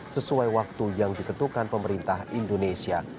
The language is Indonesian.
sesuai waktu yang ditentukan pemerintah indonesia